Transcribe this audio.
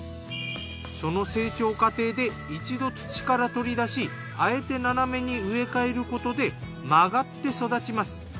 その成長過程で一度土から取り出しあえて斜めに植え替えることで曲がって育ちます。